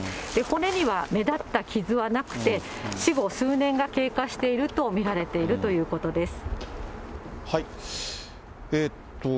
骨には目立った傷はなくて、死後数年が経過していると見られているということです。